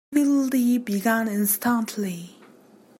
Tweedledee began instantly.